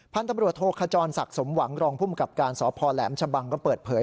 พันธุ์ตำรวจโทขจรสักศมหวังรองผู้กำการสอบภอแหลมชะบังจะเปิดเผย